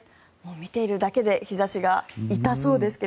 見ているだけで日差しが痛そうですが。